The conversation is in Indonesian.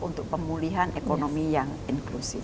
untuk pemulihan ekonomi yang inklusif